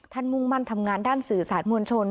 มุ่งมั่นทำงานด้านสื่อสารมวลชน